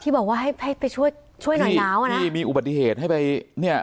บอกว่าให้ให้ไปช่วยช่วยหน่อยแล้วอ่ะนี่มีอุบัติเหตุให้ไปเนี่ย